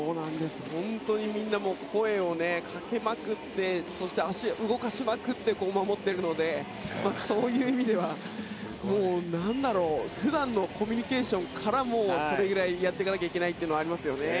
本当にみんな声をかけまくってそして足を動かしまくって守っているのでそういう意味では普段のコミュニケーションからそれぐらいやっていかなきゃいけないというのはありますよね。